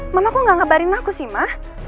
mama kok gak ngabarin aku sih ma